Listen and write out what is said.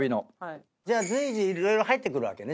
随時色々入ってくるわけね。